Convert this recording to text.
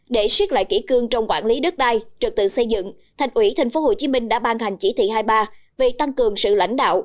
để xét lại kỹ cương trong quản lý đất đai trật tự xây dựng thành ủy tp hcm đã ban hành chỉ thị hai mươi ba về tăng cường sự lãnh đạo